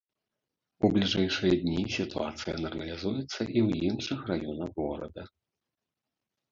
У бліжэйшыя дні сітуацыя нармалізуецца і ў іншых раёнах горада.